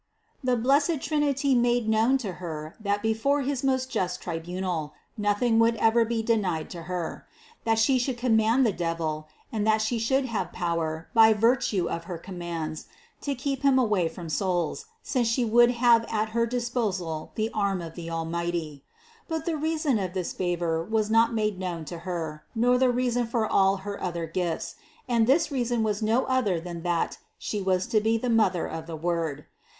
The blessed Trinity made known to Her that THE CONCEPTION 223 before his most just tribunal nothing would ever be de nied to Her; that She should command the devil and that She should have power, by virtue of her commands, to keep him away from souls, since She would have at her disposal the arm of the Almighty. But the reason of this favor was not made known to Her, nor the reason for all her other gifts, and this reason was no other than that She was to be the Mother of the Word.